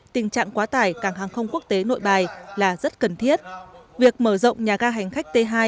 tình trạng quá tải cảng hàng không quốc tế nội bài là rất cần thiết việc mở rộng nhà ga hành khách t hai